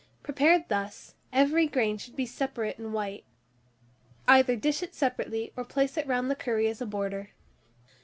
Prepared thus, every grain should be separate and white. Either dish it separately, or place it round the curry as a border.